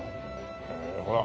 ほら。